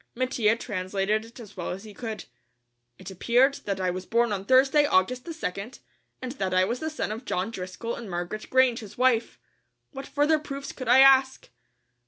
Mattia translated it as well as he could. It appeared that I was born on Thursday, August the 2nd, and that I was the son of John Driscoll and Margaret Grange, his wife. What further proofs could I ask?